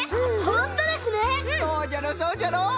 そうじゃろそうじゃろ！